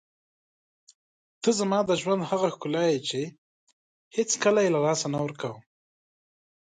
ته زما د ژوند هغه ښکلا یې چې هېڅکله یې له لاسه نه ورکوم.